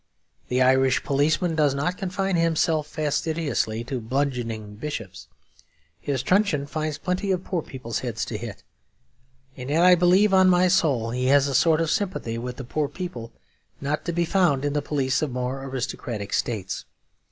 The Irish policeman does not confine himself fastidiously to bludgeoning bishops; his truncheon finds plenty of poor people's heads to hit; and yet I believe on my soul he has a sort of sympathy with poor people not to be found in the police of more aristocratic states.